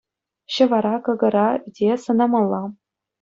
Ҫӑвара, кӑкӑра, ӳте сӑнамалла.